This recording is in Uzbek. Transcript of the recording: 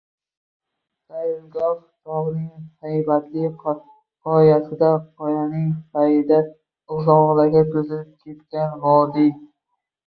Saylgoh tog’ning haybatli qoyasida. Qoyaning payida uzoqlarga cho’zilib ketgan vodiy…